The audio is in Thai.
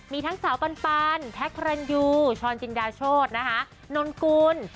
มีทั้งสาวปันแท็กพระรันยูชรจินดาโชธนะคะนนกุล